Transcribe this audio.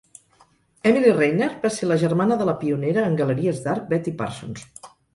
Emily Rayner va ser la germana de la pionera en galeries d'art Betty Parsons.